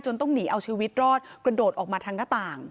ต้องหนีเอาชีวิตรอดกระโดดออกมาทางหน้าต่าง